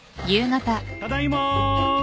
ただいま。